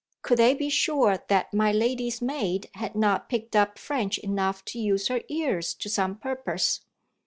Could they be sure that my lady's maid had not picked up French enough to use her ears to some purpose?